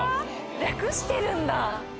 略してるんだ。